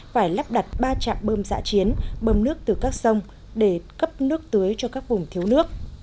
phải lắp đặt ba trạm bơm dạ chiến bơm nước từ các sông để cấp nước tưới cho các vùng thiếu nước